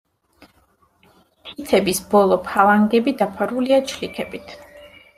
თითების ბოლო ფალანგები დაფარულია ჩლიქებით.